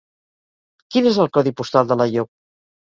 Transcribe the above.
Quin és el codi postal d'Alaior?